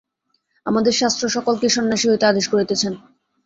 আমাদের শাস্ত্র সকলকেই সন্ন্যাসী হইতে আদেশ করিতেছেন।